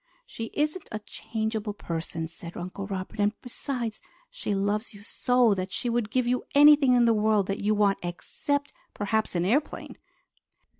"She isn't a changeable person," said Uncle Robert, "and besides she loves you so that she would give you anything in the world that you want except perhaps an airplane."